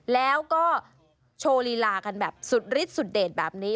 แล้วก็โชว์ลีลากันแบบสุดฤทธิสุดเดชแบบนี้